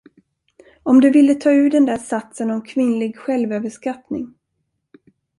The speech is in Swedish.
Om du ville ta ur den där satsen om kvinnlig självöverskattning.